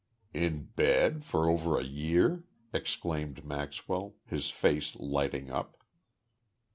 "In bed for over a year!" exclaimed Maxwell, his face lighting up.